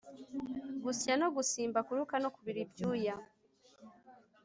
gusya no gusimba kuruka no kubira ibyuya